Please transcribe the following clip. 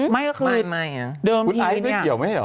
ไม่ก็คือคุณไอซ์ไม่เกี่ยวไหม